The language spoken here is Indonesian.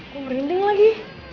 gue merinding lagi